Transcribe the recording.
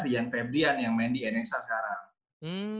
rian feblian yang main di nsh sekarang